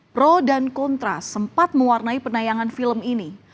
pro dan kontra sempat mewarnai penayangan film ini